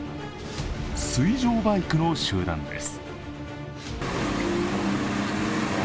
水上バイクの集団です。